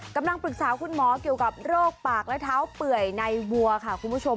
กำลังปรึกษาคุณหมอเกี่ยวกับโรคปากและเท้าเปื่อยในวัวค่ะคุณผู้ชม